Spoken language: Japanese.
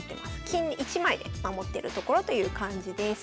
金１枚で守ってるところという感じです。